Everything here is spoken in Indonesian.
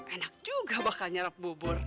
enak juga bakal nyerap bubur